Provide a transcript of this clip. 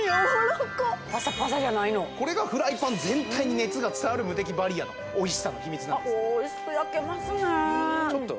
これがフライパン全体に熱が伝わるムテキバリアのおいしさの秘密なんですおいしく焼けますね